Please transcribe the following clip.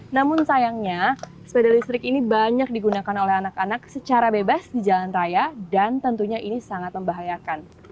namun sayangnya sepeda listrik ini banyak digunakan oleh anak anak secara bebas di jalan raya dan tentunya ini sangat membahayakan